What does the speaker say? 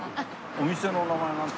お店の名前はなんて？